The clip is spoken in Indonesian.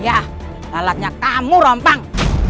yah alatnya kamu rompang